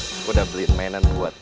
aku udah beli mainan buat